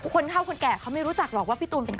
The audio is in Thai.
คนเท่าคนแก่เขาไม่รู้จักหรอกว่าพี่ตูนเป็นใคร